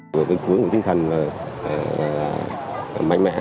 cuối cùng tinh thần mạnh mẽ